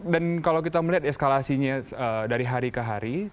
dan kalau kita melihat eskalasinya dari hari ke hari